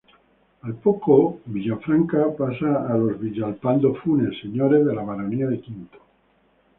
Al poco Villafranca pasa a los Villalpando-Funes, señores de la baronía de Quinto.